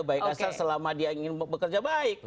baik kasar selama dia ingin bekerja baik